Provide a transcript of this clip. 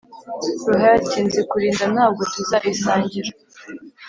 "ruhaya ati: "Nzi kurinda, ntabwo tuzayisangira"